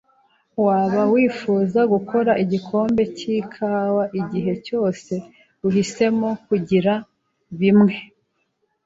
Waba wifuza gukora igikombe cyikawa igihe cyose uhisemo kugira bimwe?